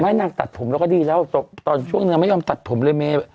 นางตัดผมแล้วก็ดีแล้วตอนช่วงนางไม่ยอมตัดผมเลยเมย์